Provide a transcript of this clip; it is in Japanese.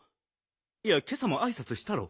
いやけさもあいさつしたろ。